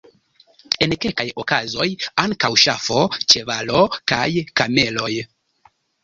En kelkaj okazoj ankaŭ ŝafo, ĉevalo kaj kameloj.